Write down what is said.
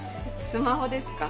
スマホですか？